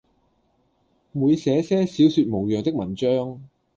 每寫些小說模樣的文章，